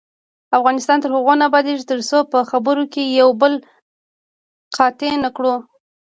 افغانستان تر هغو نه ابادیږي، ترڅو په خبرو کې یو بل قطع نکړو.